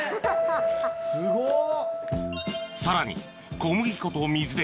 すごっ！